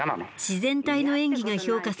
自然体の演技が評価され